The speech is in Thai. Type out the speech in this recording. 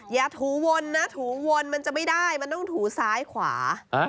ถูวนนะถูวนมันจะไม่ได้มันต้องถูซ้ายขวา